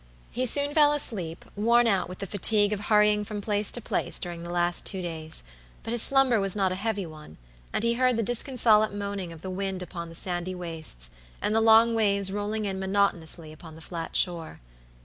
He soon fell asleep, worn out with the fatigue of hurrying from place to place during the last two days; but his slumber was not a heavy one, and he heard the disconsolate moaning of the wind upon the sandy wastes, and the long waves rolling in monotonously upon the flat shore.